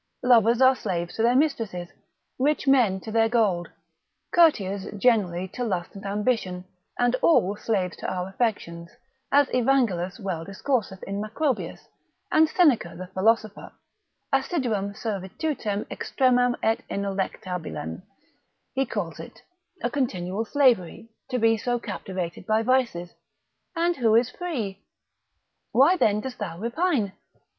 Lovers are slaves to their mistresses, rich men to their gold, courtiers generally to lust and ambition, and all slaves to our affections, as Evangelus well discourseth in Macrobius, and Seneca the philosopher, assiduam servitutem extremam et ineluctabilem he calls it, a continual slavery, to be so captivated by vices; and who is free? Why then dost thou repine?